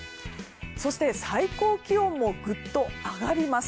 そして、最高気温もぐっと上がります。